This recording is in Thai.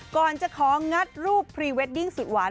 ก่อนจะของงัดรูปพรีเวดดิ้งสุดหวาน